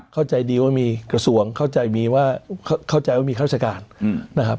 เข้าใจดีว่ามีกระสวงเข้าใจว่ามีข้าราชการนะครับ